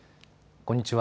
こんにちは。